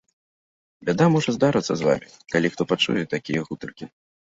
Бяда можа здарыцца з вамі, калі хто пачуе такія гутаркі.